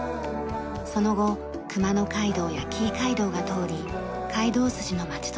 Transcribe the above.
その後熊野街道や紀伊街道が通り街道筋の街として発展しました。